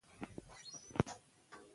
زه له بې فایدې خبرو څخه ځان ساتم.